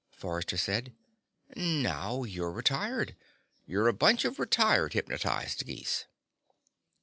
Forrester said. "Now you're retired. You're a bunch of retired hypnotized geese."